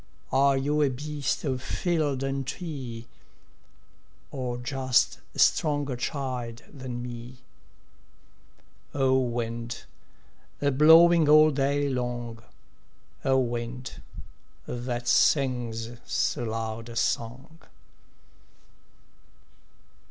Are you a beast of field and tree, Or just a stronger child than me? O wind, a blowing all day long, O wind, that sings so loud a song!